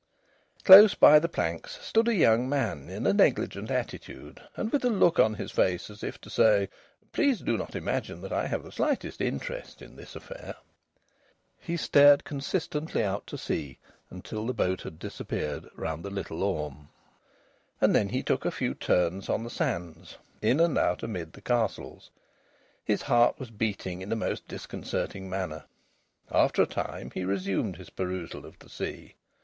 Close by the planks stood a young man in a negligent attitude, and with a look on his face as if to say: "Please do not imagine that I have the slightest interest in this affair." He stared consistently out to sea until the boat had disappeared round the Little Orme, and then he took a few turns on the sands, in and out amid the castles. His heart was beating in a most disconcerting manner. After a time he resumed his perusal of the sea.